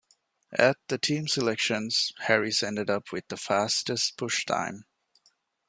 At the team selections, Harris ended up with the fastest push time.